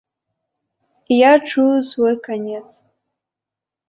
Я чую свой канец.